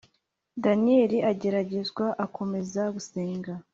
Daniyeli ageragezwa akomeza gusenga